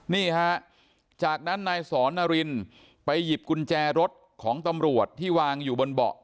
นี่ฮะจากนั้นนายสอนนารินไปหยิบกุญแจรถของตำรวจที่วางอยู่บนเบาะ